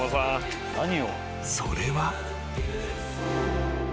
［それは］